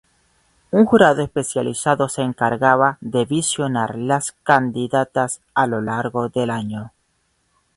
Un jurado especializado se encarga de visionar las candidatas a lo largo del año.